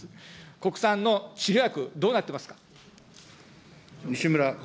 国産の治療薬、どうなってますか。